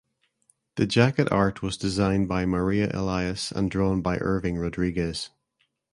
The jacket art was designed by Maria Elias and drawn by Irving Rodriguez.